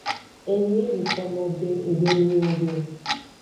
Enyi yi nukonowo be nggbe nu nyode o.